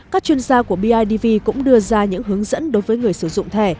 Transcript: các chuyên gia của bidv cũng đưa ra những hướng dẫn đối với người sử dụng thẻ